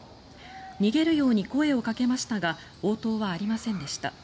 逃げるように声をかけましたが応答はありませんでした。